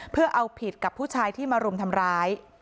เพื่อเอาผิดกับผู้ชายที่มารุมทำร้าย